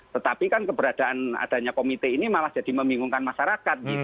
tetapi kan keberadaan adanya komite ini malah jadi membingungkan masyarakat